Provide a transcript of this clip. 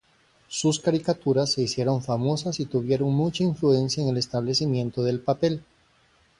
Sus caricaturas se hicieron famosas y tuvieron mucha influencia en el establecimiento del papel.